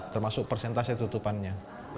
termasuk persentase tutupannya